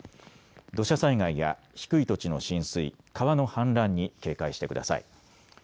土砂災害や低い土地の浸水、川の氾濫に警戒してください。